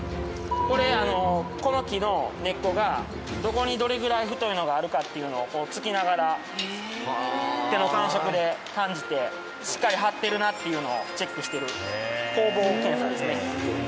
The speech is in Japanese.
これあのこの木の根っこがどこにどれぐらい太いのがあるかっていうのを突きながら手の感触で感じてしっかり張ってるなっていうのをチェックしてる鋼棒検査ですね。